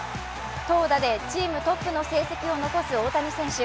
投打でチームトップの成績を残す大谷選手。